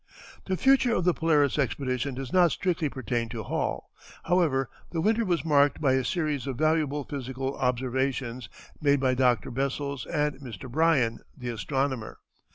The future of the Polaris expedition does not strictly pertain to Hall. However, the winter was marked by a series of valuable physical observations, made by Dr. Bessels and Mr. Bryan, the astronomer.